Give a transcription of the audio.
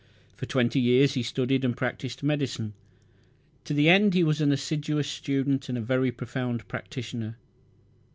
For twenty years he studied and practised medicine. To the end he was an assiduous student and a very profound practitioner.